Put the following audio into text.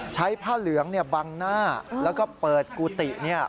ใช้ผ้าเหลืองบังหน้าแล้วก็เปิดกุฏิ